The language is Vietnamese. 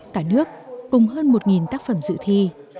cả nước cùng hơn một tác phẩm dự thi